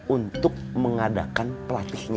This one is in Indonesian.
untuk mengadakan pelatihnya